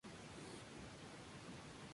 Anteriormente se consideró una especie separada.